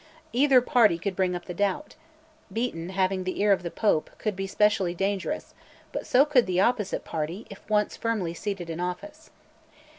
Either party could bring up the doubt; Beaton, having the ear of the Pope, could be specially dangerous, but so could the opposite party if once firmly seated in office.